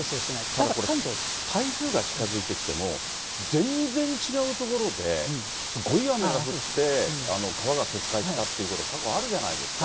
ただ関東、台風が近づいてきても、全然違う所ですごい雨が降って、川が決壊したということ、過去あるじゃないですか。